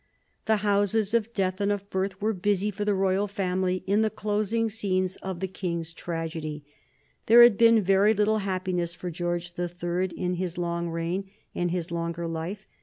The Houses of Death and of Birth were busy for the royal family in the closing scenes of the King's tragedy. There had been very little happiness for George the Third in his long reign and his longer life.